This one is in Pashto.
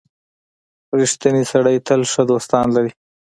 • رښتینی سړی تل ښه دوستان لري.